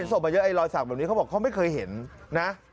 ศพมาเยอะไอรอยสักแบบนี้เขาบอกเขาไม่เคยเห็นนะ